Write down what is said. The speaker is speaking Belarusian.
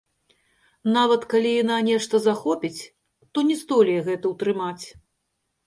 Нават калі яна нешта захопіць, то не здолее гэта ўтрымаць.